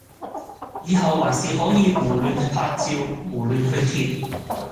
以後還是可以胡亂去拍照，胡亂去貼！